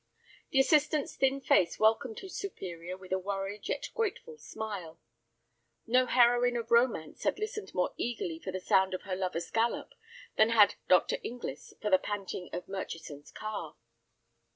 The assistant's thin face welcomed his superior with a worried yet grateful smile. No heroine of romance had listened more eagerly for the sound of her lover's gallop than had Dr. Inglis for the panting of Murchison's car.